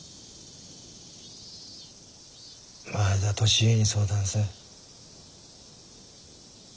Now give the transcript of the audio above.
前田利家に相談せえ。